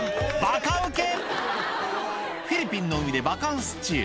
ばかウケフィリピンの海でバカンス中